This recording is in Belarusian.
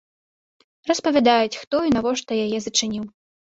Распавядаюць, хто і навошта яе зачыніў.